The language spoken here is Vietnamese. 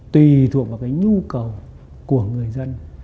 tùy thuộc vào cái nhu cầu của người dân